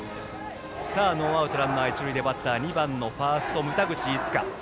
ノーアウトランナー、一塁でバッターはファースト、牟田口逸佳。